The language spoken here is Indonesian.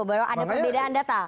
bahwa ada perbedaan data